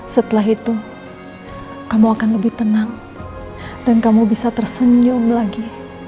setelah itu kamu akan lebih tenang dan kamu bisa tersenyum lagi